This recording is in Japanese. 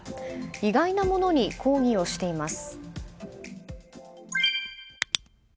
意外なものに抗議をしています。